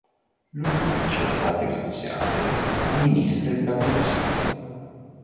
L'ufficio patriziale amministra il patriziato.